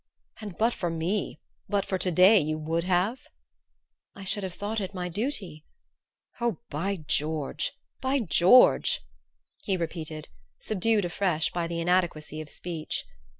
"And but for me but for to day you would have?" "I should have thought it my duty." "Oh, by George by George," he repeated, subdued afresh by the inadequacy of speech.